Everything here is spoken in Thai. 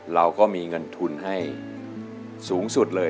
เราก็มีเงินทุนให้สูงสุดเลย